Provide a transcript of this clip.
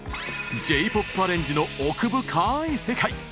Ｊ−ＰＯＰアレンジの奥深い世界。